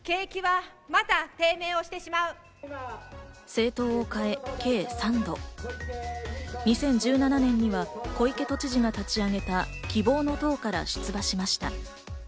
政党を変え、計３度、２０１７年には小池都知事が立ち上げた希望の党から出馬しました。